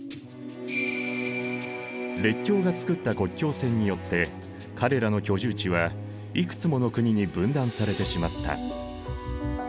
列強が作った国境線によって彼らの居住地はいくつもの国に分断されてしまった。